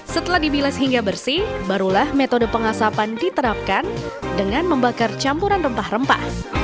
setelah dibilas hingga bersih barulah metode pengasapan diterapkan dengan membakar campuran rempah rempah